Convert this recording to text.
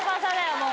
もう。